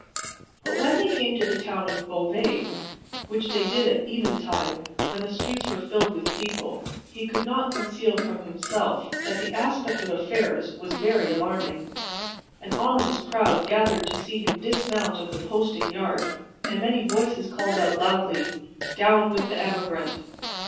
But when they came to the town of Beauvais which they did at eventide, when the streets were filled with people he could not conceal from himself that the aspect of affairs was very alarming. An ominous crowd gathered to see him dismount of the posting yard, and many voices called out loudly, "Down with the emigrant!"